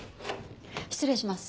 失礼します。